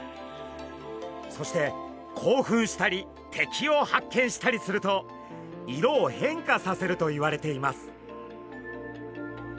そして興奮したり敵を発見したりすると色を変化させるといわれています。